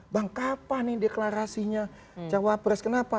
bang kapan ini deklarasinya cawapres kenapa